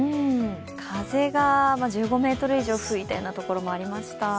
風が１５メートル以上吹いたようなところもありました。